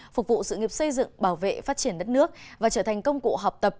phục vụ sự nghiệp xây dựng bảo vệ phát triển đất nước và trở thành công cụ học tập